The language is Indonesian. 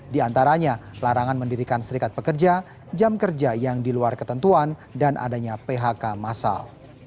di antaranya larangan mendirikan serikat pekerja jam kerja yang diluar ketentuan dan adanya phk masal